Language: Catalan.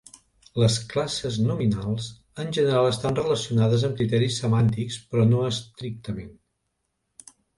Les classes nominals en general estan relacionades amb criteris semàntics, però no estrictament.